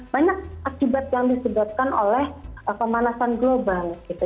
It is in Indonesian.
banyak akibat yang disebabkan oleh pemanasan global gitu